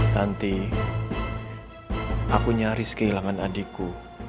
nanti aku nyaris kehilangan adikku